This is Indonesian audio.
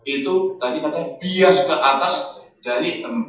itu tadi katanya bias ke atas dari empat